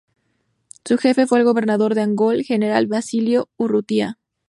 Su jefe fue el gobernador de Angol, general Basilio Urrutia.